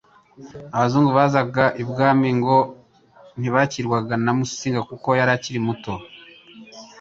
Abazungu bazaga Ibwami ngo ntibakirwaga na Musinga kuko yari akiri muto,